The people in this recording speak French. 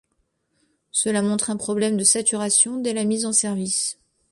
Cela montre un problème de saturation dès la mise en service.